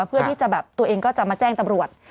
เพื่อที่จะแบบตัวเองก็จะมาแจ้งตำรวจ